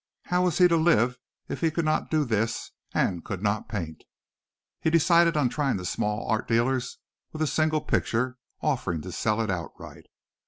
How was he to live if he could not do this and could not paint? He decided on trying the small art dealers with a single picture, offering to sell it outright.